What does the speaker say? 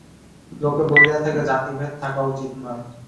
লোকে বলিয়া থাকে, জাতিভেদ থাকা উচিত নয়।